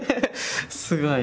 すごい。